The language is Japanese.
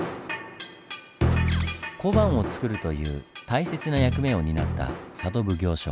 小判を作るという大切な役目を担った佐渡奉行所。